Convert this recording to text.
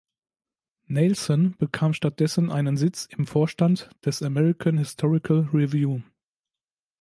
Neilson bekam stattdessen einen Sitz im Vorstand der American Historical Review.